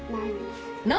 何？